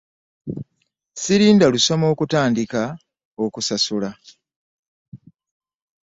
Sirinda lusoma kutandika okusasula.